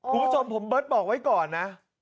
คุณผู้ชมผมเบิร์ตบอกไว้ก่อนนะ